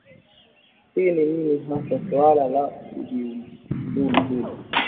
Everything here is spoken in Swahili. hii ni nini hasa suala la kujiuzulu hili